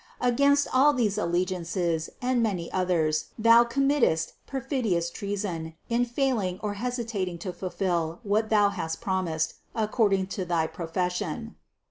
Against all these allegiances and many others thou committest perfidious treason, in failing or hesitating to fulfill what thou hast promised according to thy profes sion.